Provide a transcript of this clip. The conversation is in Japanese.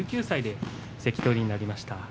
１９歳で関取になりました。